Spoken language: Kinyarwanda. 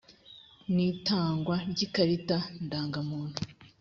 n itangwa ry ikarita ndangamuntu